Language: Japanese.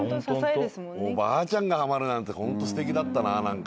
おばあちゃんがはまるなんてホントすてきだったな。